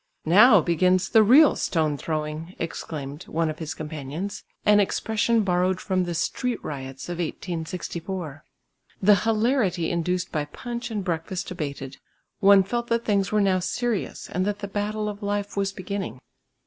"Now begins the real stone throwing!" exclaimed one of his companions, an expression borrowed from the street riots of 1864. The hilarity induced by punch and breakfast abated; one felt that things were now serious and that the battle of life was beginning.